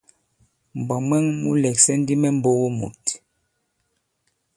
Mbwǎ mwɛ̀ŋ mu lɛ̀ksɛ̀ ndi mɛ mbogo mùt.